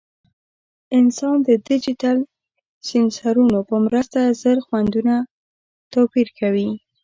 انسان د ډیجیټل سینسرونو په مرسته زر خوندونه توپیر کوي.